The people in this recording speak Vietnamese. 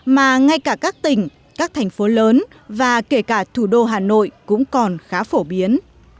mà ngay cả các tỉnh các thành phố lớn và kể cả thủ đô hà nội cũng còn khá phổ biến